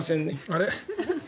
あれ？